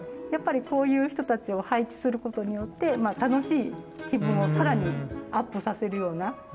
やっぱりこういう人たちを配置することによって楽しい気分を更にアップさせるような。